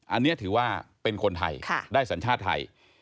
อันนี้ถือว่าเป็นคนไทยได้สัญชาติไทย